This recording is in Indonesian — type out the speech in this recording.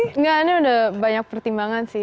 gak ada sih enggak andrea udah banyak pertimbangan sih